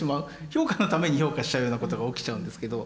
評価のために評価しちゃうようなことが起きちゃうんですけど。